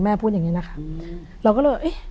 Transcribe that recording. พูดอย่างนี้นะคะเราก็เลยเอ๊ะ